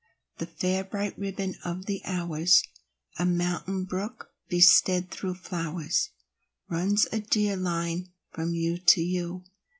The fair, bright ribbon of the hours A mountain brook bestead through flowers Runs, a dear line, from you to you.